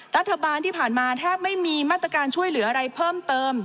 รัฐบาลที่ผ่านมาแทบไม่มีมาตรการช่วยเหลืออะไรเพิ่มเติม